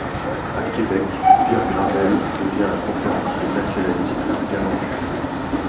À Québec, Pierre Gravel devient un conférencier nationaliste bien en vue.